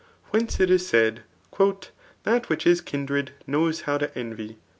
Whence it is said, Thaft which is kindred knows how to envy.''